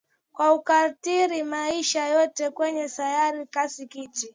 na kuathiri maisha yote kwenye sayari Hasa kiti